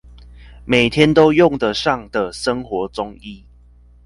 每天都用得上的生活中醫